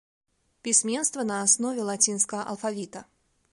Пісьменства на аснове лацінскага алфавіта.